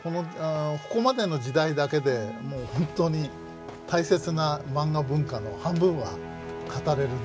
ここまでの時代だけでもう本当に大切なマンガ文化の半分は語れるんです。